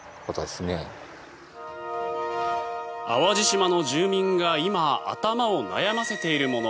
淡路島の住民が今、頭を悩ませているもの。